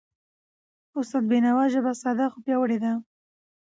استاد د بینوا ژبه ساده، خو پیاوړی ده.